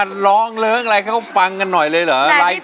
แล้วนี่ร้องเลิกอะไรเค้าฟังกันหน่อยเลยเหรอ